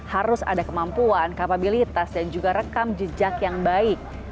harus ada kemampuan kapabilitas dan juga rekam jejak yang baik